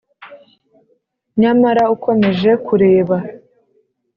nyamara ukomeje kureba,